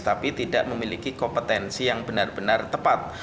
tapi tidak memiliki kompetensi yang benar benar tepat